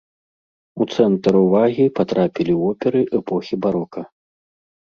У цэнтр увагі патрапілі оперы эпохі барока.